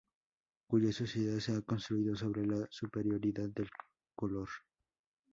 cuya sociedad se ha construido sobre la superioridad del color